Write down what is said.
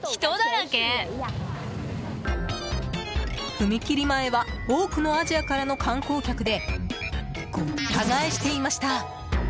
踏切前は多くのアジアからの観光客でごった返していました。